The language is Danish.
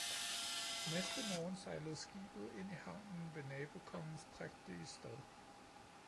Næste morgen sejlede skibet ind i havnen ved nabokongens prægtige stad.